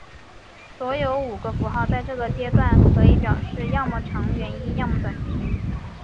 所有五个符号在这个阶段可以表示要么长元音要么短元音。